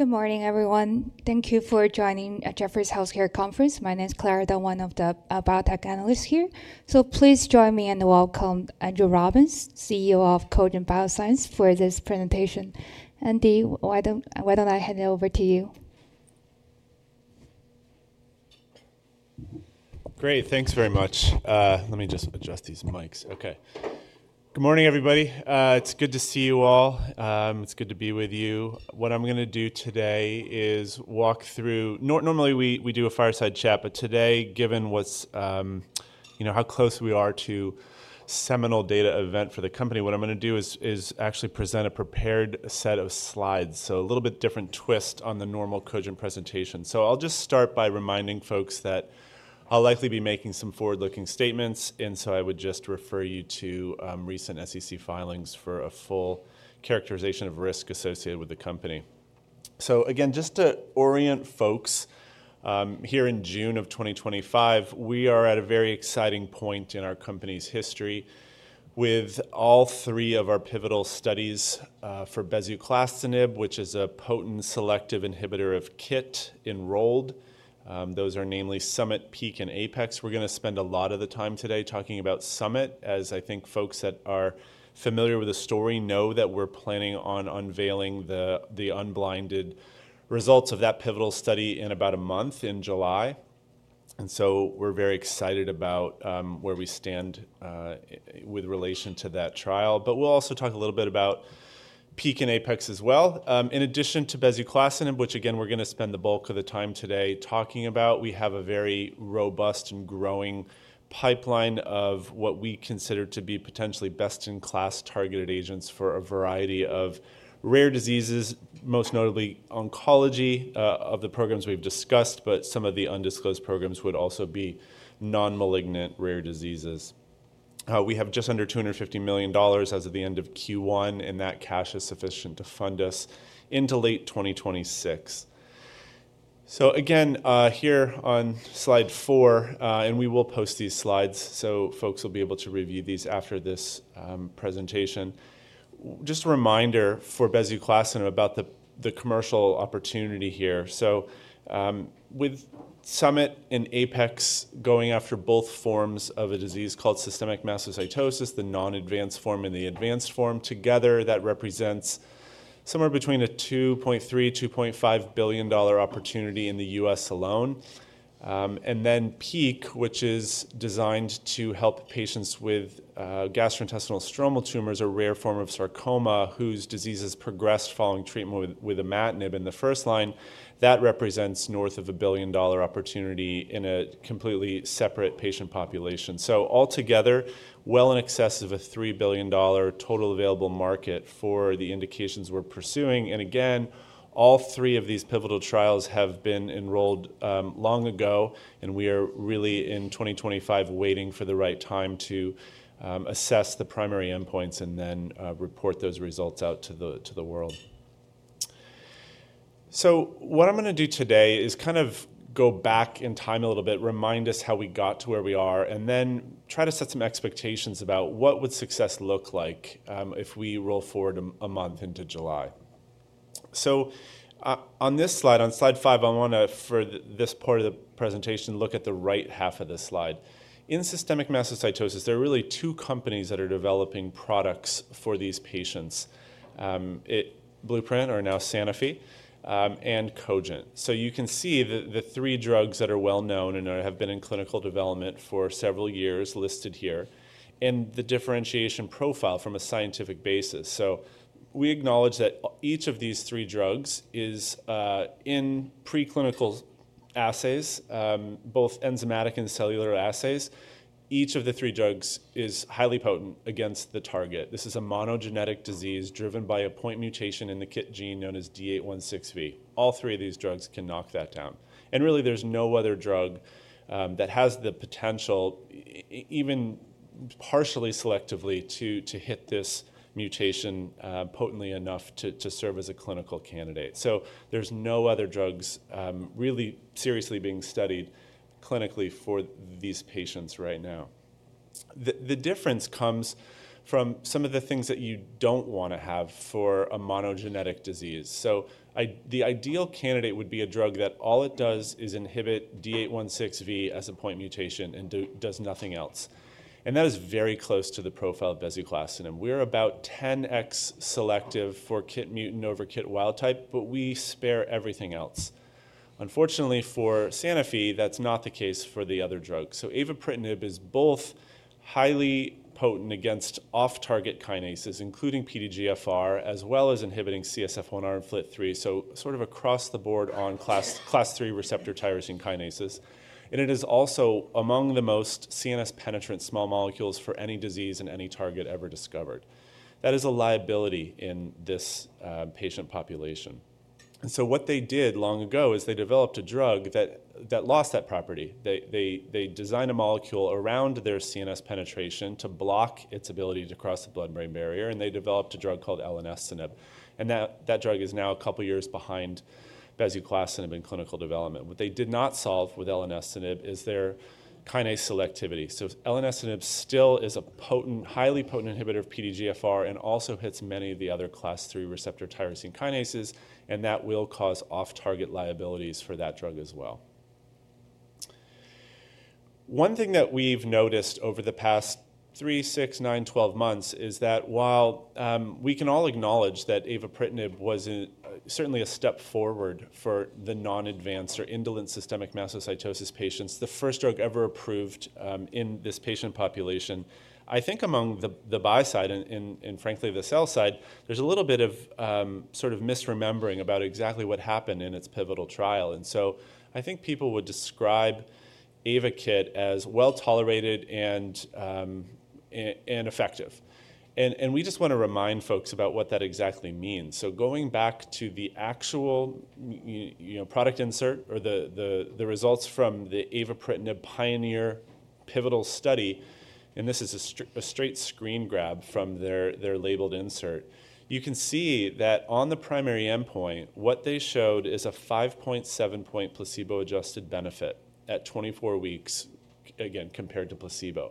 Good morning, everyone. Thank you for joining at Jefferies Healthcare Conference. My name is Clara, one of the biotech analysts here. Please join me in welcoming Andrew Robbins, CEO of Cogent Biosciences, for this presentation. Andy, why do not I hand it over to you? Great. Thanks very much. Let me just adjust these mics. Okay. Good morning, everybody. It's good to see you all. It's good to be with you. What I'm going to do today is walk through—normally we do a fireside chat, but today, given how close we are to seminal data event for the company, what I'm going to do is actually present a prepared set of slides. A little bit different twist on the normal Cogent presentation. I'll just start by reminding folks that I'll likely be making some forward-looking statements. I would just refer you to recent SEC filings for a full characterization of risk associated with the company. Again, just to orient folks, here in June of 2025, we are at a very exciting point in our company's history with all three of our pivotal studies for bezuclastinib, which is a potent selective inhibitor of KIT, enrolled. Those are namely SUMMIT, PEAK, and APEX. We're going to spend a lot of the time today talking about SUMMIT, as I think folks that are familiar with the story know that we're planning on unveiling the unblinded results of that pivotal study in about a month in July. We are very excited about where we stand with relation to that trial. We'll also talk a little bit about PEAK and APEX as well. In addition to bezuclastinib, which again, we're going to spend the bulk of the time today talking about, we have a very robust and growing pipeline of what we consider to be potentially best-in-class targeted agents for a variety of rare diseases, most notably oncology of the programs we've discussed, but some of the undisclosed programs would also be non-malignant rare diseases. We have just under $250 million as of the end of Q1, and that cash is sufficient to fund us into late 2026. Again, here on slide four, and we will post these slides so folks will be able to review these after this presentation. Just a reminder for bezuclastinib about the commercial opportunity here. With SUMMIT and APEX going after both forms of a disease called systemic mastocytosis, the non-advanced form and the advanced form, together, that represents somewhere between $2.3-$2.5 billion opportunity in the U.S. alone. PEAK, which is designed to help patients with gastrointestinal stromal tumors, a rare form of sarcoma whose disease has progressed following treatment with imatinib in the first line, that represents north of a $1 billion opportunity in a completely separate patient population. Altogether, well in excess of a $3 billion total available market for the indications we're pursuing. Again, all three of these pivotal trials have been enrolled long ago, and we are really in 2025 waiting for the right time to assess the primary endpoints and then report those results out to the world. What I'm going to do today is kind of go back in time a little bit, remind us how we got to where we are, and then try to set some expectations about what would success look like if we roll forward a month into July. On this slide, on slide five, I want to, for this part of the presentation, look at the right half of this slide. In systemic mastocytosis, there are really two companies that are developing products for these patients: Blueprint, or now Sanofi, and Cogent. You can see the three drugs that are well known and have been in clinical development for several years listed here and the differentiation profile from a scientific basis. We acknowledge that each of these three drugs is in preclinical assays, both enzymatic and cellular assays. Each of the three drugs is highly potent against the target. This is a monogenetic disease driven by a point mutation in the KIT gene known as D816V. All three of these drugs can knock that down. Really, there's no other drug that has the potential, even partially selectively, to hit this mutation potently enough to serve as a clinical candidate. There's no other drugs really seriously being studied clinically for these patients right now. The difference comes from some of the things that you don't want to have for a monogenetic disease. The ideal candidate would be a drug that all it does is inhibit D816V as a point mutation and does nothing else. That is very close to the profile of bezuclastinib. We're about 10x selective for KIT mutant over KIT wild type, but we spare everything else. Unfortunately, for Sanofi, that's not the case for the other drugs. avapritinib is both highly potent against off-target kinases, including PDGFR, as well as inhibiting CSF1R and FLT3, sort of across the board on class three receptor tyrosine kinases. It is also among the most CNS-penetrant small molecules for any disease and any target ever discovered. That is a liability in this patient population. What they did long ago is they developed a drug that lost that property. They designed a molecule around their CNS penetration to block its ability to cross the blood-brain barrier, and they developed a drug called elenestinib. That drug is now a couple of years behind bezuclastinib in clinical development. What they did not solve with elenestinib is their kinase selectivity. Elenestinib still is a highly potent inhibitor of PDGFR and also hits many of the other class three receptor tyrosine kinases, and that will cause off-target liabilities for that drug as well. One thing that we've noticed over the past three, six, nine, 12 months is that while we can all acknowledge that avapritinib was certainly a step forward for the non-advanced or indolent systemic mastocytosis patients, the first drug ever approved in this patient population, I think among the buy side and frankly the sell side, there's a little bit of sort of misremembering about exactly what happened in its pivotal trial. I think people would describe AYVAKIT as well tolerated and effective. We just want to remind folks about what that exactly means. Going back to the actual product insert or the results from the avapritinib PIONEER pivotal study, and this is a straight screen grab from their labeled insert, you can see that on the primary endpoint, what they showed is a 5.7 point placebo-adjusted benefit at 24 weeks, again, compared to placebo.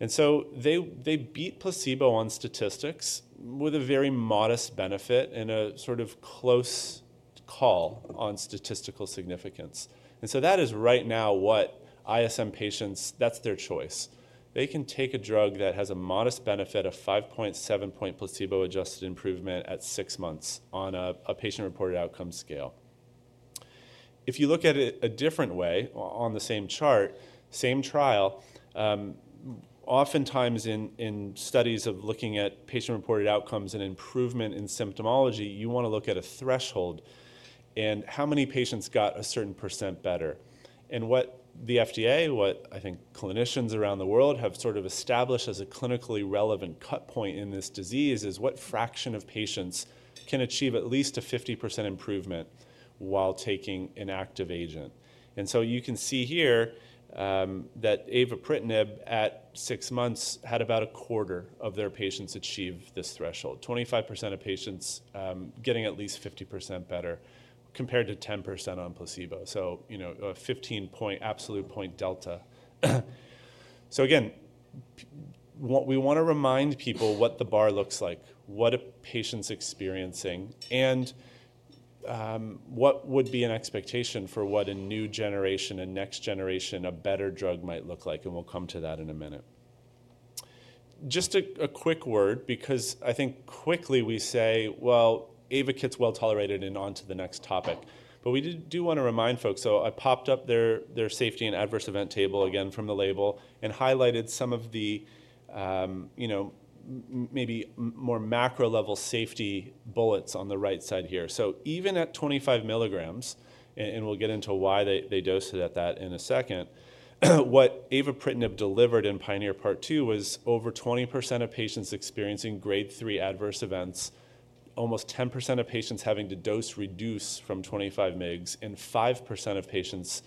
They beat placebo on statistics with a very modest benefit and a sort of close call on statistical significance. That is right now what ISM patients, that's their choice. They can take a drug that has a modest benefit of 5.7 point placebo-adjusted improvement at six months on a patient-reported outcome scale. If you look at it a different way on the same chart, same trial, oftentimes in studies of looking at patient-reported outcomes and improvement in symptomology, you want to look at a threshold and how many patients got a certain percent better. What the FDA, what I think clinicians around the world have sort of established as a clinically relevant cut point in this disease is what fraction of patients can achieve at least a 50% improvement while taking an active agent. You can see here that avapritinib at six months had about a quarter of their patients achieve this threshold, 25% of patients getting at least 50% better compared to 10% on placebo. A 15 point absolute point delta. We want to remind people what the bar looks like, what a patient is experiencing, and what would be an expectation for what a new generation and next generation of better drug might look like. We will come to that in a minute. Just a quick word, because I think quickly we say, well, AYVAKIT's well tolerated and on to the next topic. We do want to remind folks. I popped up their safety and adverse event table again from the label and highlighted some of the maybe more macro-level safety bullets on the right side here. Even at 25 mg, and we'll get into why they dosed it at that in a second, what avapritinib delivered in PIONEER part two was over 20% of patients experiencing grade 3 adverse events, almost 10% of patients having to dose reduce from 25 mg, and 5% of patients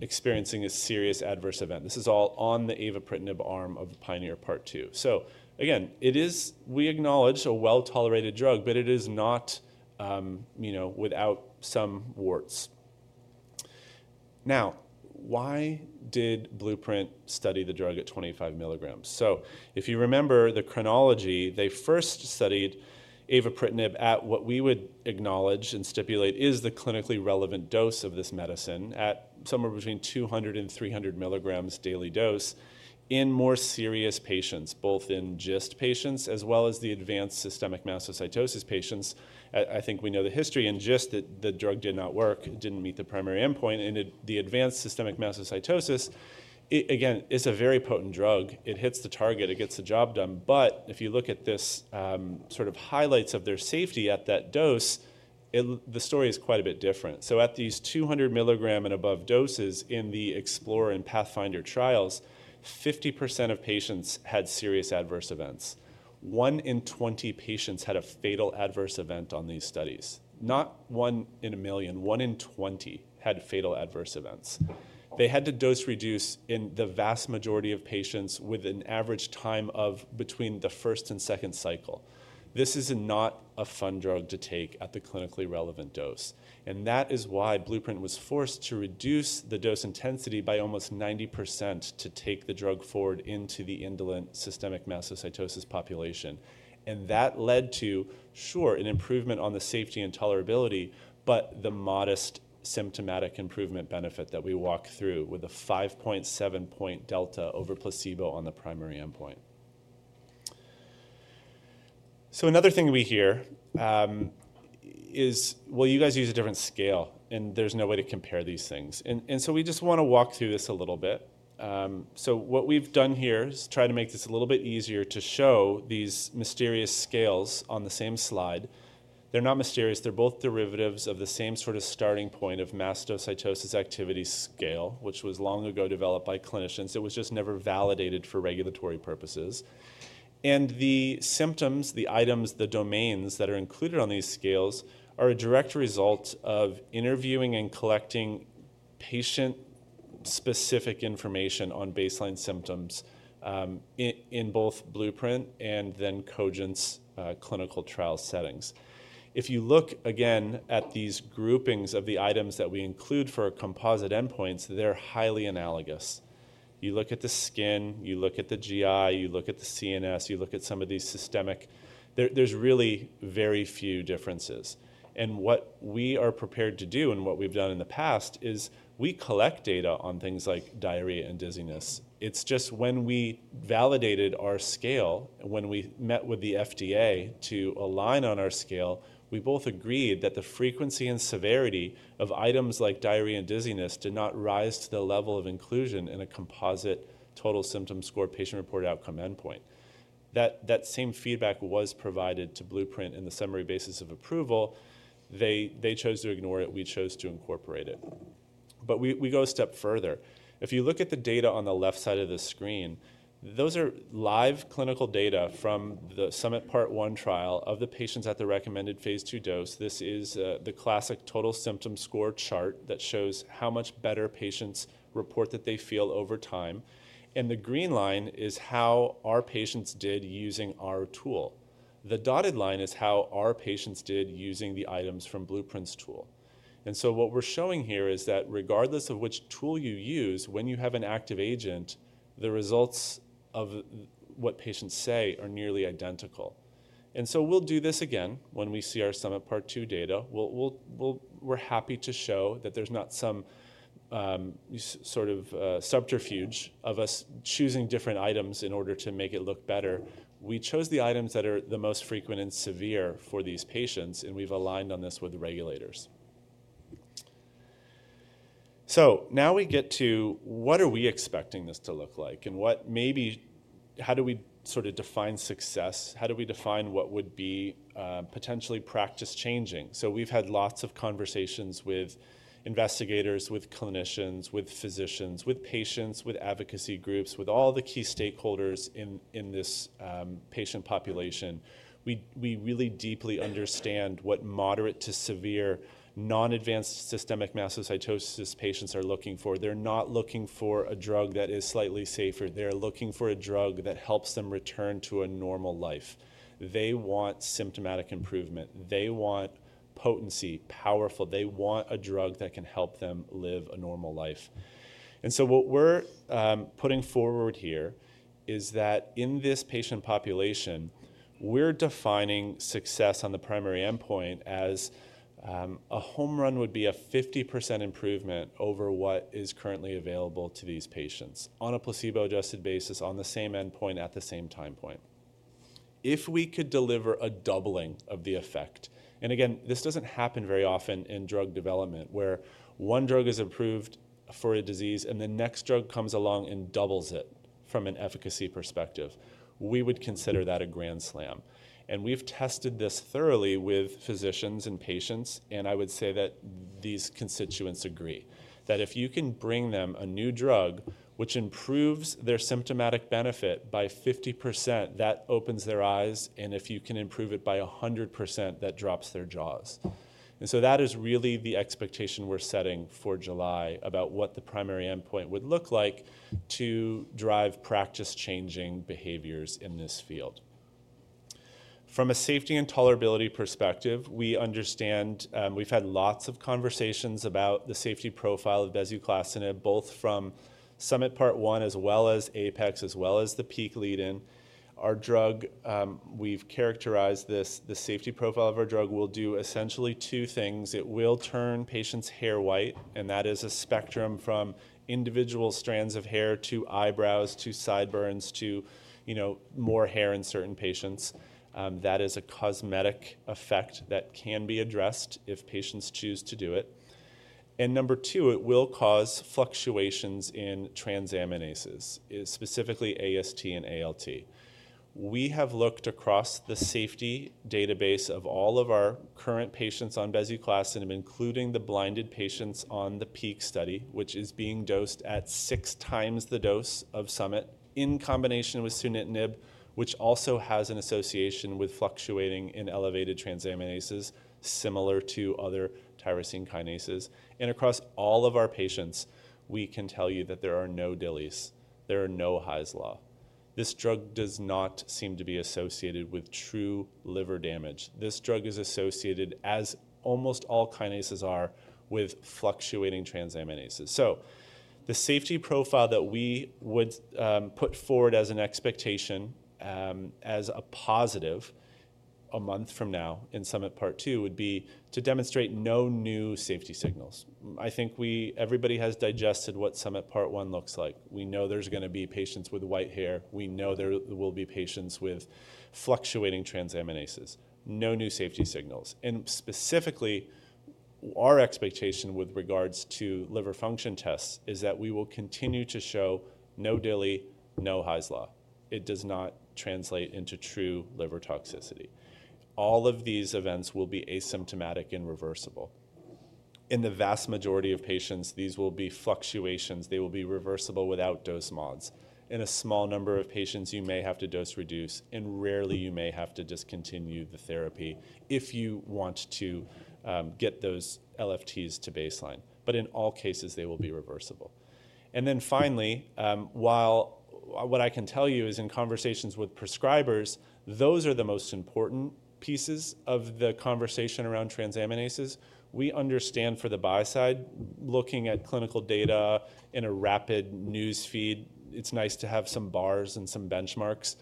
experiencing a serious adverse event. This is all on the avapritinib arm of PIONEER part two. Again, we acknowledge a well-tolerated drug, but it is not without some warts. Now, why did Blueprint study the drug at 25 mg? If you remember the chronology, they first studied avapritinib at what we would acknowledge and stipulate is the clinically relevant dose of this medicine at somewhere between 200-300 mg daily dose in more serious patients, both in GIST patients as well as the advanced systemic mastocytosis patients. I think we know the history in GIST that the drug did not work, didn't meet the primary endpoint. In the advanced systemic mastocytosis, again, it's a very potent drug. It hits the target. It gets the job done. If you look at the sort of highlights of their safety at that dose, the story is quite a bit different. At these 200 mg and above doses in the EXPLORER and PATHFINDER trials, 50% of patients had serious adverse events. One in 20 patients had a fatal adverse event on these studies. Not one in a million. One in 20 had fatal adverse events. They had to dose reduce in the vast majority of patients with an average time of between the first and second cycle. This is not a fun drug to take at the clinically relevant dose. That is why Blueprint was forced to reduce the dose intensity by almost 90% to take the drug forward into the indolent systemic mastocytosis population. That led to, sure, an improvement on the safety and tolerability, but the modest symptomatic improvement benefit that we walk through with a 5.7 point delta over placebo on the primary endpoint. Another thing we hear is, you guys use a different scale, and there is no way to compare these things. We just want to walk through this a little bit. What we've done here is try to make this a little bit easier to show these mysterious scales on the same slide. They're not mysterious. They're both derivatives of the same sort of starting point of mastocytosis activity scale, which was long ago developed by clinicians. It was just never validated for regulatory purposes. The symptoms, the items, the domains that are included on these scales are a direct result of interviewing and collecting patient-specific information on baseline symptoms in both Blueprint and then Cogent's clinical trial settings. If you look again at these groupings of the items that we include for composite endpoints, they're highly analogous. You look at the skin, you look at the GI, you look at the CNS, you look at some of these systemic, there's really very few differences. What we are prepared to do and what we've done in the past is we collect data on things like diarrhea and dizziness. It's just when we validated our scale, when we met with the FDA to align on our scale, we both agreed that the frequency and severity of items like diarrhea and dizziness did not rise to the level of inclusion in a composite total symptom score patient-reported outcome endpoint. That same feedback was provided to Blueprint in the summary basis of approval. They chose to ignore it. We chose to incorporate it. We go a step further. If you look at the data on the left side of the screen, those are live clinical data from the SUMMIT part one trial of the patients at the recommended phase two dose. This is the classic total symptom score chart that shows how much better patients report that they feel over time. The green line is how our patients did using our tool. The dotted line is how our patients did using the items from Blueprint's tool. What we are showing here is that regardless of which tool you use, when you have an active agent, the results of what patients say are nearly identical. We will do this again when we see our SUMMIT part two data. We are happy to show that there is not some sort of subterfuge of us choosing different items in order to make it look better. We chose the items that are the most frequent and severe for these patients, and we have aligned on this with regulators. Now we get to what are we expecting this to look like and what maybe how do we sort of define success? How do we define what would be potentially practice changing? We've had lots of conversations with investigators, with clinicians, with physicians, with patients, with advocacy groups, with all the key stakeholders in this patient population. We really deeply understand what moderate to severe non-advanced systemic mastocytosis patients are looking for. They're not looking for a drug that is slightly safer. They're looking for a drug that helps them return to a normal life. They want symptomatic improvement. They want potency, powerful. They want a drug that can help them live a normal life. What we're putting forward here is that in this patient population, we're defining success on the primary endpoint as a home run would be a 50% improvement over what is currently available to these patients on a placebo-adjusted basis on the same endpoint at the same time point. If we could deliver a doubling of the effect, and again, this doesn't happen very often in drug development where one drug is approved for a disease and the next drug comes along and doubles it from an efficacy perspective, we would consider that a grand slam. We've tested this thoroughly with physicians and patients, and I would say that these constituents agree that if you can bring them a new drug which improves their symptomatic benefit by 50%, that opens their eyes. If you can improve it by 100%, that drops their jaws. That is really the expectation we're setting for July about what the primary endpoint would look like to drive practice changing behaviors in this field. From a safety and tolerability perspective, we understand we've had lots of conversations about the safety profile of bezuclastinib, both from SUMMIT part one as well as APEX as well as the PEAK lead-in. Our drug, we've characterized this, the safety profile of our drug will do essentially two things. It will turn patients' hair white, and that is a spectrum from individual strands of hair to eyebrows to sideburns to more hair in certain patients. That is a cosmetic effect that can be addressed if patients choose to do it. Number two, it will cause fluctuations in transaminases, specifically AST and ALT. We have looked across the safety database of all of our current patients on bezuclastinib, including the blinded patients on the PEAK study, which is being dosed at six times the dose of SUMMIT in combination with sunitinib, which also has an association with fluctuating and elevated transaminases, similar to other tyrosine kinases. Across all of our patients, we can tell you that there are no DILIs. There are no HISLA. This drug does not seem to be associated with true liver damage. This drug is associated, as almost all kinases are, with fluctuating transaminases. The safety profile that we would put forward as an expectation as a positive a month from now in SUMMIT part two would be to demonstrate no new safety signals. I think everybody has digested what SUMMIT part one looks like. We know there's going to be patients with white hair. We know there will be patients with fluctuating transaminases. No new safety signals. Specifically, our expectation with regards to liver function tests is that we will continue to show no DILI, no Hy's Law. It does not translate into true liver toxicity. All of these events will be asymptomatic and reversible. In the vast majority of patients, these will be fluctuations. They will be reversible without dose mods. In a small number of patients, you may have to dose reduce, and rarely you may have to discontinue the therapy if you want to get those LFTs to baseline. In all cases, they will be reversible. Finally, what I can tell you is in conversations with prescribers, those are the most important pieces of the conversation around transaminases. We understand for the buy side, looking at clinical data in a rapid news feed, it's nice to have some bars and some benchmarks.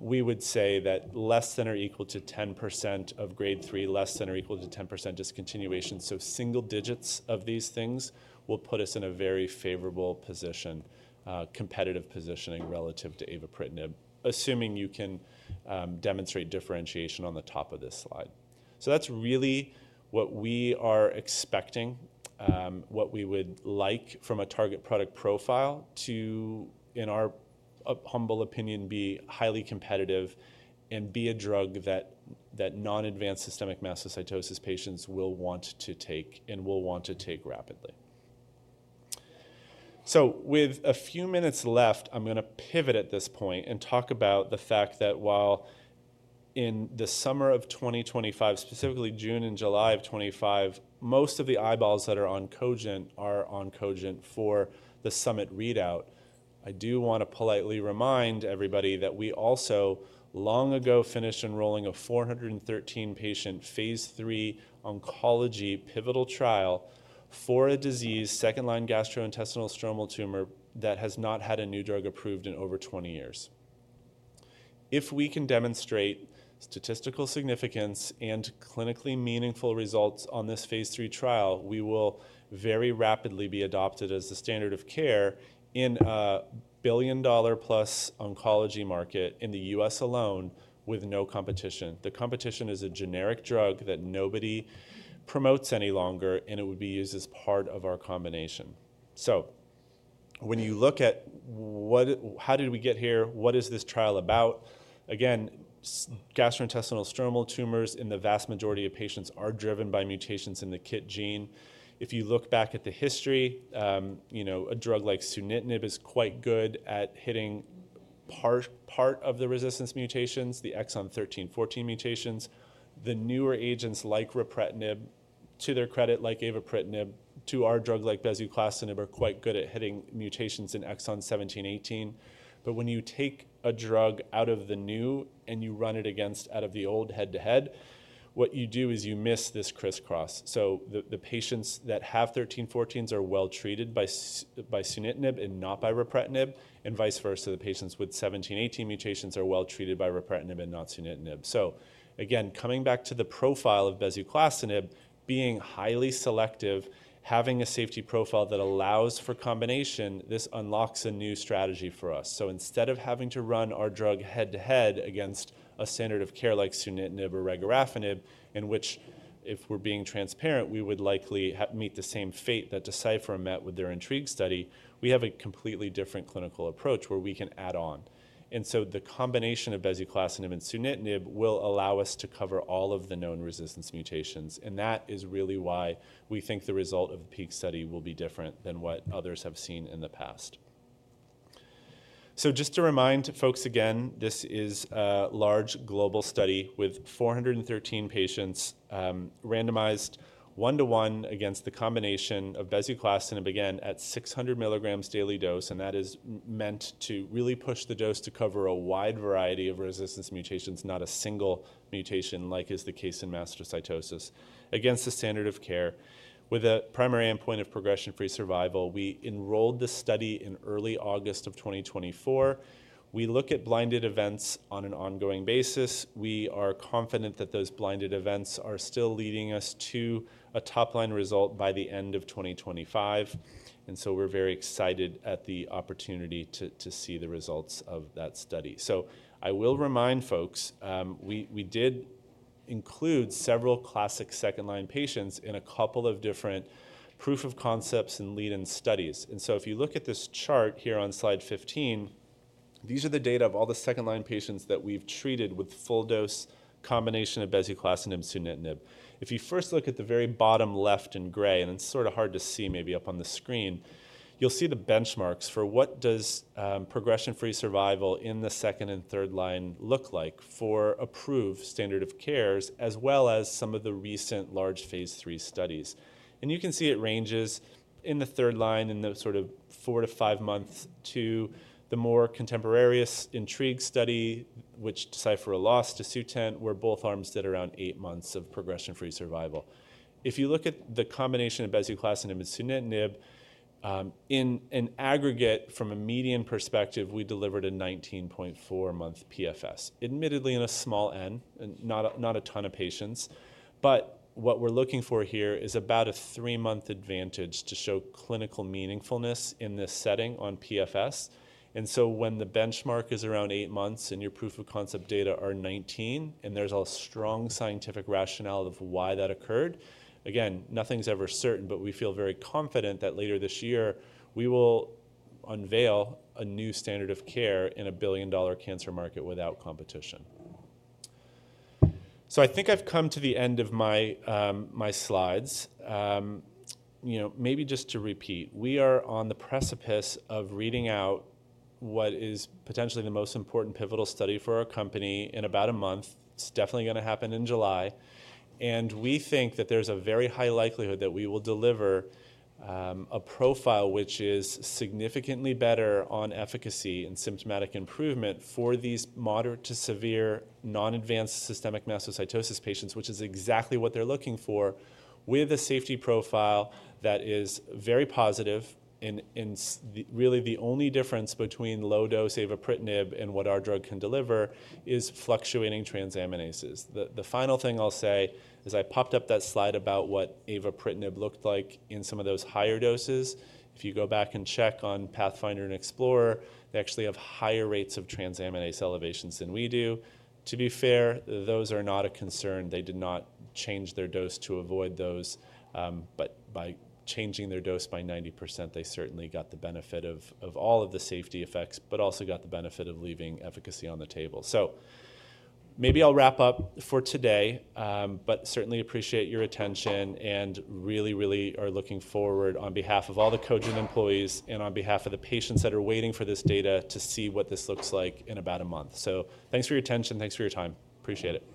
We would say that less than or equal to 10% of grade three, less than or equal to 10% discontinuation. Single digits of these things will put us in a very favorable position, competitive positioning relative to avapritinib, assuming you can demonstrate differentiation on the top of this slide. That's really what we are expecting, what we would like from a target product profile to, in our humble opinion, be highly competitive and be a drug that non-advanced systemic mastocytosis patients will want to take and will want to take rapidly. With a few minutes left, I'm going to pivot at this point and talk about the fact that while in the summer of 2025, specifically June and July of 2025, most of the eyeballs that are on Cogent are on Cogent for the SUMMIT readout. I do want to politely remind everybody that we also long ago finished enrolling a 413-patient phase 3 oncology pivotal trial for a disease, second-line gastrointestinal stromal tumor, that has not had a new drug approved in over 20 years. If we can demonstrate statistical significance and clinically meaningful results on this phase 3 trial, we will very rapidly be adopted as the standard of care in a billion-dollar-plus oncology market in the US alone with no competition. The competition is a generic drug that nobody promotes any longer, and it would be used as part of our combination. When you look at how did we get here, what is this trial about? Again, gastrointestinal stromal tumors in the vast majority of patients are driven by mutations in the KIT gene. If you look back at the history, a drug like sunitinib is quite good at hitting part of the resistance mutations, the exon 13,14 mutations. The newer agents like ripretinib, to their credit, like avapritinib, to our drug like bezuclastinib are quite good at hitting mutations in exon 17,18. When you take a drug out of the new and you run it against out of the old head-to-head, what you do is you miss this crisscross. The patients that have 13, 14s are well treated by sunitinib and not by ripretinib, and vice versa. The patients with 17, 18 mutations are well treated by ripretinib and not sunitinib. Again, coming back to the profile of bezuclastinib, being highly selective, having a safety profile that allows for combination, this unlocks a new strategy for us. Instead of having to run our drug head-to-head against a standard of care like sunitinib or regorafenib, in which if we're being transparent, we would likely meet the same fate that Deciphera met with their INTRIGUE study, we have a completely different clinical approach where we can add on. The combination of bezuclastinib and sunitinib will allow us to cover all of the known resistance mutations. That is really why we think the result of the PEAK study will be different than what others have seen in the past. Just to remind folks again, this is a large global study with 413 patients randomized one-to-one against the combination of bezuclastinib again at 600 mg daily dose. That is meant to really push the dose to cover a wide variety of resistance mutations, not a single mutation like is the case in mastocytosis against the standard of care with a primary endpoint of progression-free survival. We enrolled the study in early August of 2024. We look at blinded events on an ongoing basis. We are confident that those blinded events are still leading us to a top-line result by the end of 2025. We are very excited at the opportunity to see the results of that study. I will remind folks, we did include several classic second-line patients in a couple of different proof of concepts and lead-in studies. If you look at this chart here on slide 15, these are the data of all the second-line patients that we have treated with full-dose combination of bezuclastinib and sunitinib. If you first look at the very bottom left in gray, and it's sort of hard to see maybe up on the screen, you'll see the benchmarks for what does progression-free survival in the second and third line look like for approved standard of cares as well as some of the recent large phase three studies. You can see it ranges in the third line in the sort of four to five months to the more contemporaneous INTRIGUE study, which Deciphera lost to Sutent, where both arms did around eight months of progression-free survival. If you look at the combination of bezuclastinib and sunitinib, in an aggregate from a median perspective, we delivered a 19.4-month PFS, admittedly in a small N, not a ton of patients. What we're looking for here is about a three-month advantage to show clinical meaningfulness in this setting on PFS. When the benchmark is around eight months and your proof of concept data are 19 and there is a strong scientific rationale of why that occurred, again, nothing is ever certain, but we feel very confident that later this year we will unveil a new standard of care in a billion-dollar cancer market without competition. I think I have come to the end of my slides. Maybe just to repeat, we are on the precipice of reading out what is potentially the most important pivotal study for our company in about a month. It is definitely going to happen in July. We think that there is a very high likelihood that we will deliver a profile which is significantly better on efficacy and symptomatic improvement for these moderate to severe non-advanced systemic mastocytosis patients, which is exactly what they are looking for with a safety profile that is very positive. Really the only difference between low-dose avapritinib and what our drug can deliver is fluctuating transaminases. The final thing I'll say is I popped up that slide about what avapritinib looked like in some of those higher doses. If you go back and check on PATHFINDER and EXPLORER, they actually have higher rates of transaminase elevations than we do. To be fair, those are not a concern. They did not change their dose to avoid those. By changing their dose by 90%, they certainly got the benefit of all of the safety effects, but also got the benefit of leaving efficacy on the table. Maybe I'll wrap up for today, but certainly appreciate your attention and really, really are looking forward on behalf of all the Cogent employees and on behalf of the patients that are waiting for this data to see what this looks like in about a month. Thanks for your attention. Thanks for your time. Appreciate it.